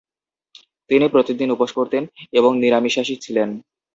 তিনি প্রতিদিন উপোস করতেন এবং নিরামিষাশী ছিলেন।